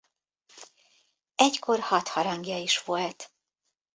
Egykor hat harangja is volt.